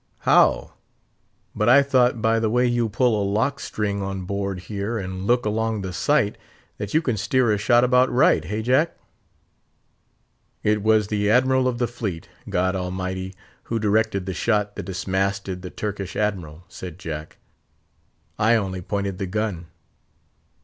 "How? but I thought, by the way you pull a lock string on board here, and look along the sight, that you can steer a shot about right—hey, Jack?" "It was the Admiral of the fleet—God Almighty—who directed the shot that dismasted the Turkish Admiral," said Jack; "I only pointed the gun."